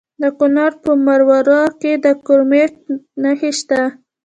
د کونړ په مروره کې د کرومایټ نښې شته.